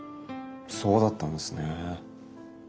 そうだったんですね。